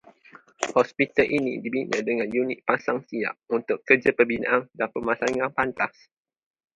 Hospital ini dibina dengan unit pasang siap untuk kerja pembinaan dan pemasangan pantas